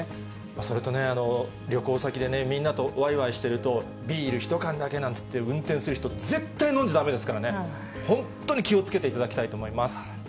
それとね、旅行先でね、みんなとわいわいしてると、ビール１缶だけなんていって運転する人、絶対飲んじゃだめですからね、本当に気をつけていただきたいと思います。